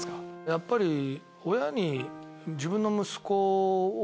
やっぱり親に自分の息子を。